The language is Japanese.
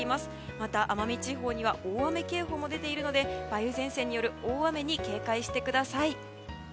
また、奄美地方には大雨警報も出ているので梅雨前線による大雨に警戒してください。